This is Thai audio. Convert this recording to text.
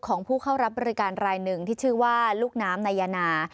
ของผู้เข้ารับบริการรายหนึ่งที่ชื่อว่าลูกน้ำนายนา